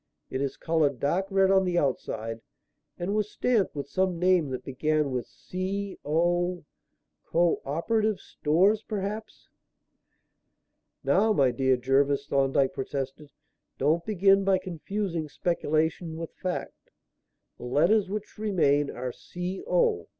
It is coloured dark red on the outside and was stamped with some name that began with C O Co operative Stores, perhaps." "Now, my dear Jervis," Thorndyke protested, "don't begin by confusing speculation with fact. The letters which remain are C O.